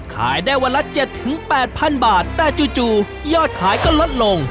ขายได้วันละเจ็ดถึงแปดพันบาทแต่จู่จู่ยอดขายก็ลดลง